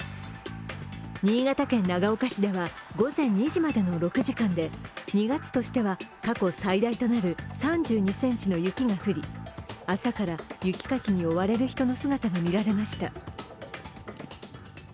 新潟県長岡市では、午前２時までの６時間で２月としては過去最大となる３２ｃｍの雪が降り、朝から雪かきに追われる人の姿が見られました。